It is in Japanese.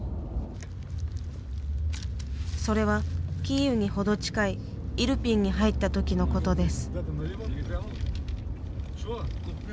それはキーウに程近いイルピンに入った時のことです。